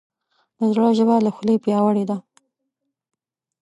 د زړه ژبه له خولې پیاوړې ده.